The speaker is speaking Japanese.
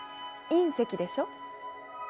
隕石でしょ？